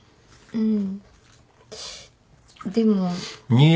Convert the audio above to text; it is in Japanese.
うん。